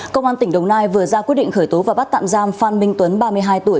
công an tỉnh đồng nai vừa ra quyết định khởi tố và bắt tạm giam phan minh tuấn ba mươi hai tuổi